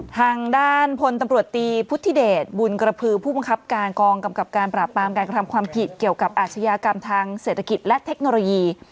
ทางด้านพลตำรวจตีพุทธิเดชบุญกระพือผู้บังคับการกองกำกับการปราบปรามการกระทำความผิดเกี่ยวกับอาชญากรรมทางเศรษฐกิจและเทคโนโลยี